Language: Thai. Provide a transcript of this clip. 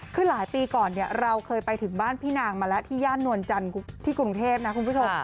คือหลายปีก่อนเราเคยไปถึงบ้านพี่นางมาแล้วที่ย่านนวลจันทร์ที่กรุงเทพนะคุณผู้ชม